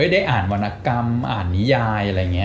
ได้อ่านวรรณกรรมอ่านนิยายอะไรอย่างนี้